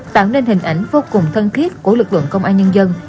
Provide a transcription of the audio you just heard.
tạo nên hình ảnh vô cùng thân thiết của lực lượng công an nhân dân